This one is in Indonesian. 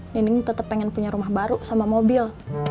nining tetap pengen punya rumah baru sama mobil